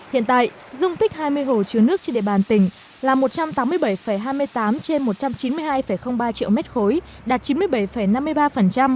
hiện tại dung tích hai mươi hồ chứa nước trên địa bàn tỉnh là một trăm tám mươi bảy hai mươi tám trên một trăm chín mươi hai ba triệu m ba đạt chín mươi bảy năm mươi ba